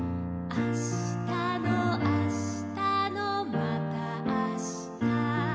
「あしたのあしたのまたあした」